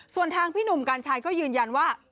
ส่วนทางพี่หนุ่มกัญชัยก็ยืนยันว่า